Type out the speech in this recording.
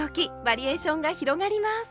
バリエーションが広がります！